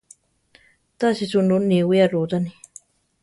Tási sunú niwía rucháni.